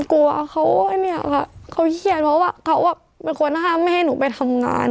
กลัวเขาอะเนี่ยค่ะเขาขี้เหี้ยนเพราะเขาเป็นควรห้ามไม่ให้หนูไปทำงาน